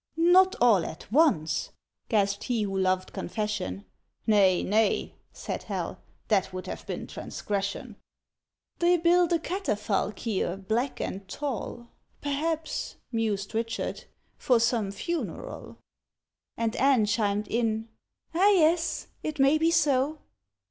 "Not all at once?" gasped he who loved confession. "Nay, nay!" said Hal. "That would have been transgression." "—They build a catafalque here, black and tall, Perhaps," mused Richard, "for some funeral?" And Anne chimed in: "Ah, yes: it maybe so!"